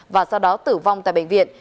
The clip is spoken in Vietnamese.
và sau đó tử vong tại bệnh viện